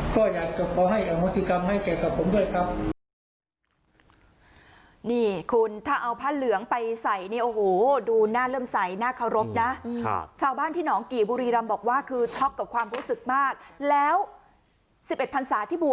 ผมก็ขอแสดงความใส่ใจด้วยที่ทำเกินกว่าดี